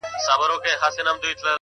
دوى ما اوتا نه غواړي؛